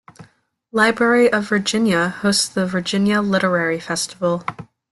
Library of Virginia hosts the Virginia Literary Festival.